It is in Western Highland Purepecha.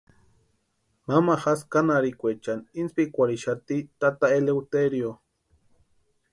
Mamajasï kánharhikwechani intsïpikwarhixati tata Eleuterio.